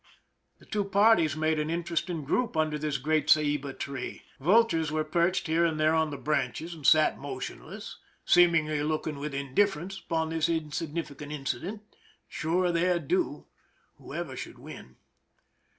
The two parties made an interesting group under this great ceiba tree. Vultures were perched here and there on the branches, and sat motionless, seemingly looking with indifference upon this insig nifi.cant incident, sure of their due, whoever should win.